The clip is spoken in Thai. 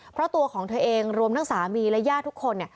เพราะตัวของเธอเองรวมทั้งสามีและญาติทุกคน